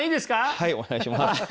はいお願いします。